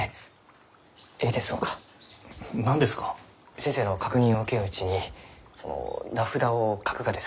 先生の確認を受けんうちにその名札を書くがですか？